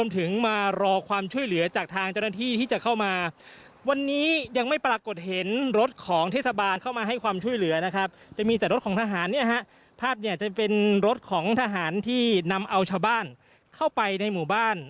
ตอนนี้ยังไม่ปรากฏเห็นรถของเทศบาลเข้ามาให้ความช่วยเหลือจะมีแต่รถของทหารภาพจะเป็นรถของทหารที่นำเอาชาวบ้านเข้าไปในหมู่บ้าน